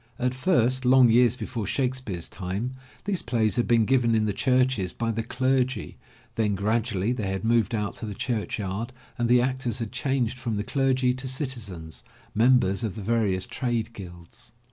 At first, long years before Shakespeare's time, these plays had been given in the churches by the clergy, then, gradually they had moved out to the church yard and the actors had changed from the clergy to citizens, members of the various trade guilds.